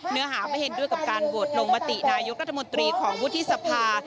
เนื้อหาไม่เห็นด้วยกับการโหวตลงมตินายกรัฐมนตรีของวุฒิสภา